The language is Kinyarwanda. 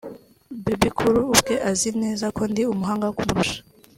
“Bebe Cool ubwe azi neza ko ndi umuhanga kumurusha